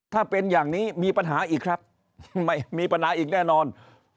ถ้าเป็นอย่างนี้มีปัญหาอีกครับไม่มีปัญหาอีกแน่นอน